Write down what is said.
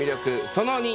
その２。